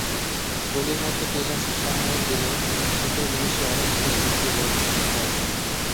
গলির মধ্যে টেইলার্সের সামনে গেলে চোখের নিমেষে অনেক জিনিস বিক্রি হয়।